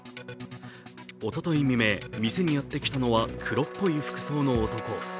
おととい未明、店にやって来たのは黒っぽい服装の男。